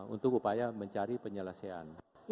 untuk upaya mencari penyelesaian